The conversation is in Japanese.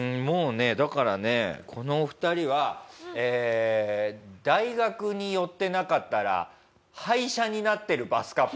もうねだからねこのお二人は大学に寄ってなかったら廃車になってるバスカップルです。